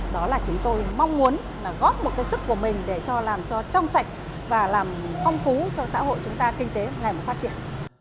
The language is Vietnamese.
đó là chúng tôi mong muốn là góp một cái sức của mình để làm cho trong sạch và làm phong phú cho xã hội chúng ta kinh tế ngày một phát triển